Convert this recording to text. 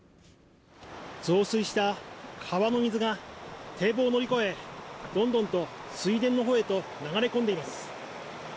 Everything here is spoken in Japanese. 増水した川の水が堤防を乗り越えどんどんと水田の方へと流れ込んでいます。